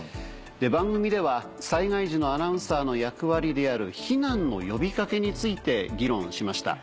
番組では災害時のアナウンサーの役割である避難の呼び掛けについて議論しました。